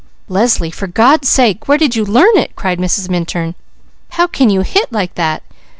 "Leslie, for God's sake where did you learn it?" cried Mrs. Minturn. "How can you hit like that?